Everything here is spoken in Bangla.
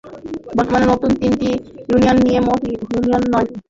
বর্তমানে নতুন তিনটি ইউনিয়ন নিয়ে মোট ইউনিয়ন নয়টি।